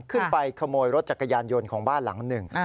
ขึ้นไปขโมยรถจักรยานยนต์ของบ้านหลังหนึ่ง